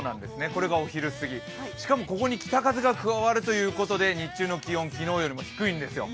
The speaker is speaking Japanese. これがお昼すぎ、しかもここに北風が加わるということで日中の気温昨日よりも低いんですよ。